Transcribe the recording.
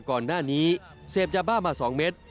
ก่อนหน้านี้เสพยาบ้ามา๒เม็ด